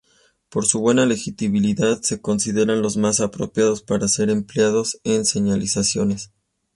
Por su buena legibilidad se consideran los más apropiados para ser empleados en señalizaciones.